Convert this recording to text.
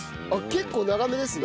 結構長めですね。